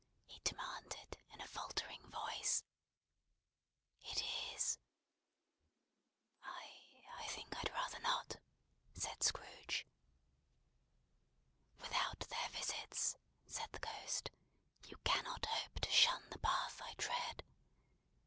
he demanded, in a faltering voice. "It is." "I I think I'd rather not," said Scrooge. "Without their visits," said the Ghost, "you cannot hope to shun the path I tread.